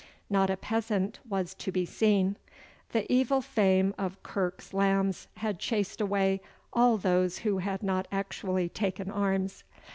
Not a peasant was to be seen. The evil fame of Kirke's lambs had chased away all those who had not actually taken arms.